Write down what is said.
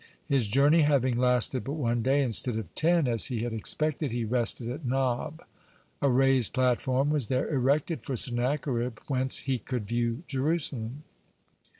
His journey having lasted but one day instead of ten, as he had expected, he rested at Nob. A raised platform was there erected for Sennacherib, whence he could view Jerusalem.